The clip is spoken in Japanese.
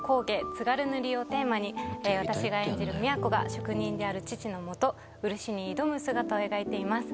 津軽塗をテーマに私が演じる美也子が職人である父のもと漆に挑む姿を描いています。